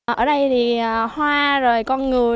ở đây thì hoa rồi con người